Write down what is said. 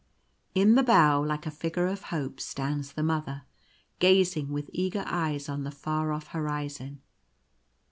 In the bow, like a figure of Hope, stands the Mother, gazing with eager eyes on the far off horizon.